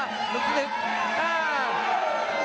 นมสติกอ้าว